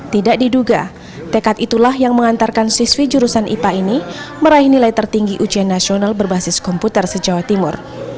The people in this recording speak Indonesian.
tidak diduga tekad itulah yang mengantarkan siswi jurusan ipa ini meraih nilai tertinggi ujian nasional berbasis komputer se jawa timur